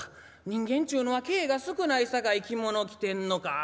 人間っちゅうのは毛ぇが少ないさかい着物着てんのかあ。